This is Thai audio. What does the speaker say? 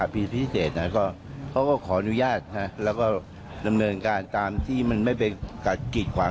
ภักดิ์สินค้า